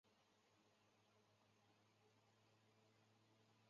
藤卷忠俊为日本的男性漫画家。